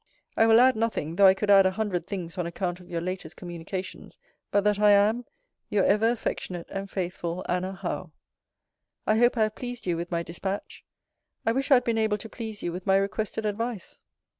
I will add nothing (though I could add a hundred things on account of your latest communications) but that I am Your ever affectionate and faithful ANNA HOWE. I hope I have pleased you with my dispatch. I wish I had been able to please you with my requested advice.